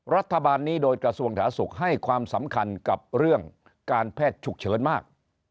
รัฐบาลนี้โดยกระทรวงสาธารณสุขให้ความสำคัญกับเรื่องการแพทย์ฉุกเฉินมาก